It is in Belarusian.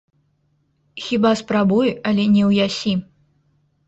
Хіба спрабуй, але не ўясі.